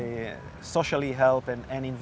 secara sosial dan lingkungan